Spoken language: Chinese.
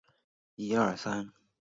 莱利鳄的目前状态为疑名。